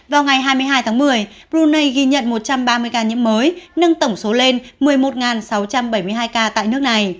vào ngày hai mươi hai tháng một mươi brunei ghi nhận một trăm ba mươi ca nhiễm mới nâng tổng số lên một mươi một sáu trăm bảy mươi hai ca tại nước này